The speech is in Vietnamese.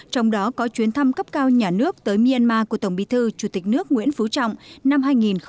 trong đó có chuyến thăm cấp cao nhà nước tới myanmar của tổng bí thư chủ tịch nước nguyễn phú trọng năm hai nghìn một mươi tám